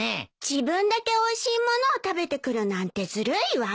自分だけおいしい物を食べてくるなんてずるいわ！